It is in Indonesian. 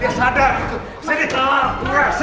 apa yang kamu bikin